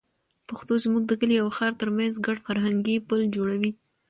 پښتو زموږ د کلي او ښار تر منځ ګډ فرهنګي پُل جوړوي.